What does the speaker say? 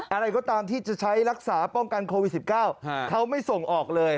อะไรก็ตามที่จะใช้รักษาป้องกันโควิด๑๙เขาไม่ส่งออกเลย